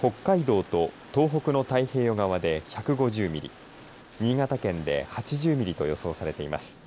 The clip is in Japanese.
北海道と東北の太平洋側で１５０ミリ新潟県で８０ミリと予想されています。